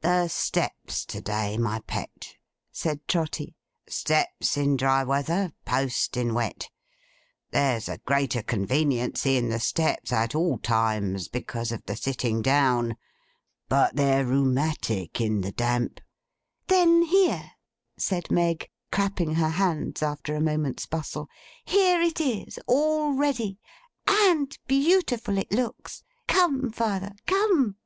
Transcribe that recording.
'The steps to day, my Pet,' said Trotty. 'Steps in dry weather. Post in wet. There's a greater conveniency in the steps at all times, because of the sitting down; but they're rheumatic in the damp.' 'Then here,' said Meg, clapping her hands, after a moment's bustle; 'here it is, all ready! And beautiful it looks! Come, father. Come!